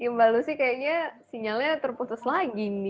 mbak lucy kayaknya sinyalnya terputus lagi nih